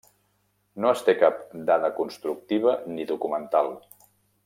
No es té cap dada constructiva ni documental.